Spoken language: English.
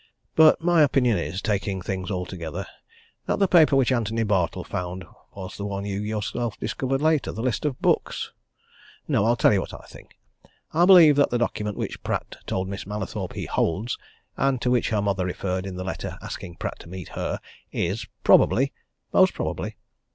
"But my opinion is, taking things all together, that the paper which Antony Bartle found was the one you yourself discovered later the list of books. No I'll tell you what I think. I believe that the document which Pratt told Miss Mallathorpe he holds, and to which her mother referred in the letter asking Pratt to meet her, is probably most probably!